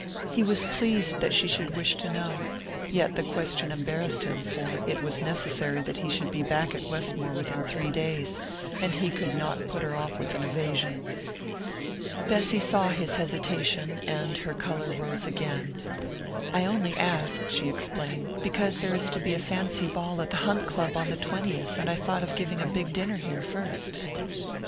He was pleased that she should wish to know, yet the question embarrassed him, for it was necessary that he should be back at Westmore within three days, and he could not put her off with an evasion. Bessy saw his hesitation, and her colour rose again. "I only asked," she explained, "because there is to be a fancy ball at the Hunt Club on the twentieth, and I thought of giving a big dinner here first."